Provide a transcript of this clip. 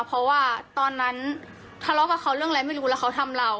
เพราะว่าตอนนั้นทะเลาะกับเขาเรื่องอะไรไม่รู้แล้วเขาทำเรา